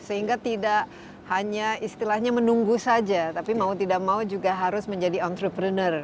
sehingga tidak hanya istilahnya menunggu saja tapi mau tidak mau juga harus menjadi entrepreneur